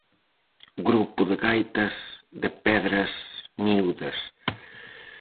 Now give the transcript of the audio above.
Grupo de gaitas de Pedras Miúdas.